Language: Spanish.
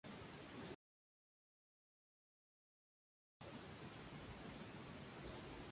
Todas las canciones compuestas por Divididos, excepto las señaladas.